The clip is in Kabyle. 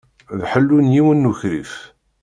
D ḥellu n yiwen n ukrif.